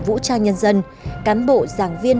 vũ trang nhân dân cám bộ giảng viên